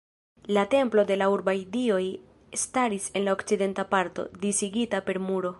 La temploj de la urbaj dioj staris en la okcidenta parto, disigita per muro.